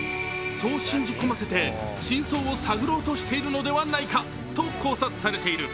そう信じ込ませて、真相を探ろうとしているのではないかと考察されている。